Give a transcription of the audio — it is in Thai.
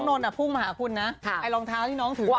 นนทพุ่งมาหาคุณนะไอ้รองเท้าที่น้องถือ